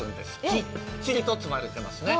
きっちりと積まれてますね。